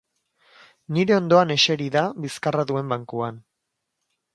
Nire ondoan eseri da bizkarra duen bankuan.